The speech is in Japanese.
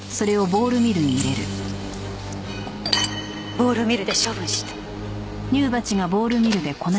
ボールミルで処分した。